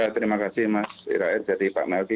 terima kasih mas iraed jadi pak melky